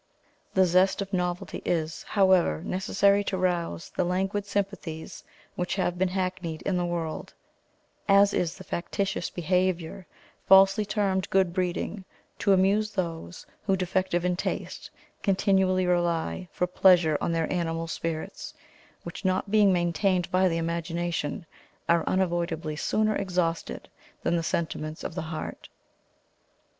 The zest of novelty is, however, necessary to rouse the languid sympathies which have been hackneyed in the world; as is the factitious behaviour, falsely termed good breeding, to amuse those, who, defective in taste, continually rely for pleasure on their animal spirits, which not being maintained by the imagination, are unavoidably sooner exhausted than the sentiments of the heart.